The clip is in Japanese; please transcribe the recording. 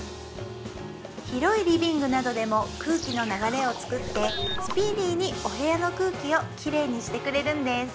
広いリビングなどでも空気の流れを作ってスピーディーにお部屋の空気を綺麗にしてくれるんです